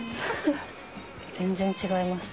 全然違いました。